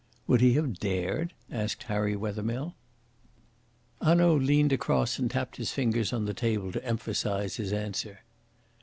"Would he have dared?" asked Harry Wethermill. Hanaud leaned across and tapped his fingers on the table to emphasise his answer.